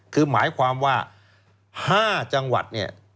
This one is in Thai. คือหมายความว่า๕จังหวัดเนี่ย